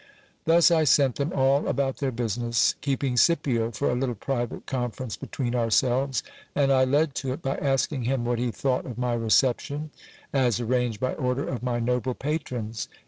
Thus I sent them all about their business, keeping Scipio for a little private conference between ourselves ; and I led to it by asking him what he thought of my reception, as arranged by order of my noble patrons.